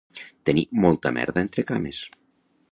Tenir molta merda entre cames